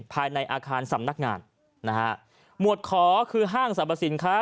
ภายในอาคารสำนักงานนะฮะหมวดขอคือห้างสรรพสินค้า